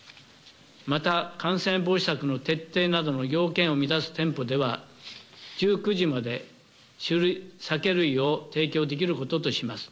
また、感染防止策の徹底などの要件を満たす店舗では、１９時まで酒類を提供できることとします。